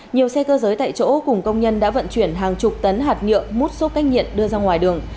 nhiều xe cơ giới tại chỗ cùng công nhân đã vận chuyển hàng chục tấn hạt nhựa mút xốp cách nhiệt đưa ra ngoài đường